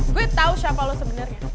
gue tau siapa lo sebenernya